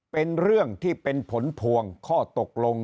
เป็นเรื่องที่เป็นผลพวงข้อตกลง